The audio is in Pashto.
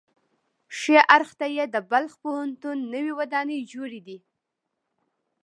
ښي اړخ ته د بلخ پوهنتون نوې ودانۍ جوړې دي.